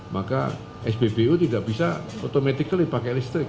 maka spbu tidak bisa automatically pakai listrik